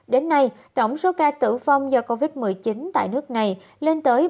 đến nay tổng số ca tử vong do covid một mươi chín tại nước này lên tới bốn trăm tám mươi sáu sáu mươi sáu ca